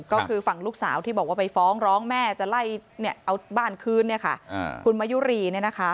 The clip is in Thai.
ก็คือฝั่งลูกสาวที่บอกว่าไปฟ้องร้องแม่จะไล่เอาบ้านคืนคุณมายุรี